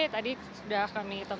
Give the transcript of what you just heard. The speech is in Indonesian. tadi sudah kami ceritakan